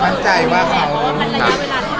มั่นใจว่าเขา